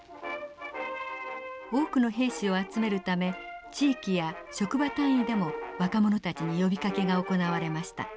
多くの兵士を集めるため地域や職場単位でも若者たちに呼びかけが行われました。